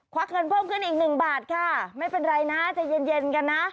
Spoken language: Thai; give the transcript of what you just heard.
วักเงินเพิ่มขึ้นอีกหนึ่งบาทค่ะไม่เป็นไรนะใจเย็นเย็นกันนะ